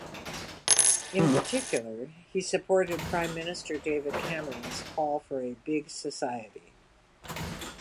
In particular, he supported Prime Minister David Cameron's call for a "Big Society".